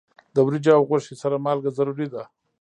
د وریجو او غوښې سره مالګه ضروری ده.